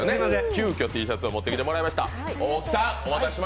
急きょ、Ｔシャツを持ってきてもらいました。